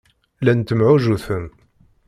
Llan ttemɛujjuten.